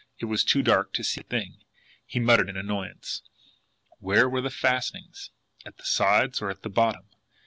It was too dark to see a thing. He muttered in annoyance. Where were the fastenings! At the sides, or at the bottom?